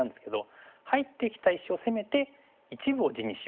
入ってきた石を攻めて一部を地にしようと。